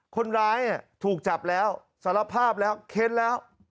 คนร้ายถูกจับแล้วสารภาพแล้วเค้นแล้ว